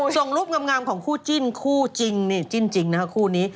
ส่งรูปงำงามของคู่จิ้นคู่จิ้นจริงนะครับ